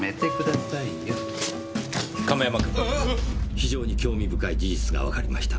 非常に興味深い事実がわかりました。